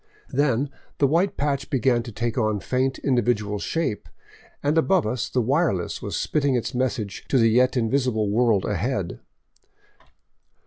Then the white patch began to take on faint individual shape, and above us the wireless was spitting its message to the yet invisible world ahead.